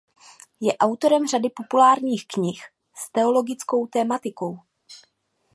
Je autorem řady populárních knih s teologickou tematikou.